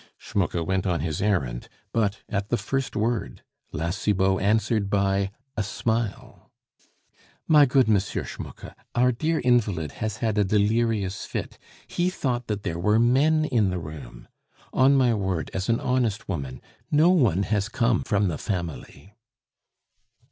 Schmucke went on his errand; but at the first word, La Cibot answered by a smile. "My good M. Schmucke, our dear invalid has had a delirious fit; he thought that there were men in the room. On my word, as an honest woman, no one has come from the family."